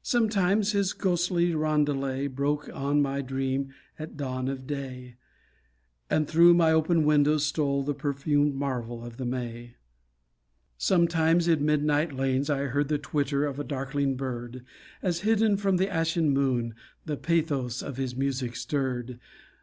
Sometimes his ghostly rondelay Broke on my dream at dawn of day, And through my open window stole The perfumed marvel of the May. Sometimes in midnight lanes I heard The twitter of a darkling bird, As hidden from the ashen moon, The pathos of his music stirred.